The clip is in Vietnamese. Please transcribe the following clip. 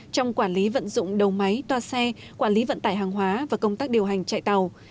trong quản lý vận dụng đầu máy toa xe quản lý vận tải hàng hóa và công tác điều hành chạy tàu